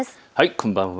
こんばんは。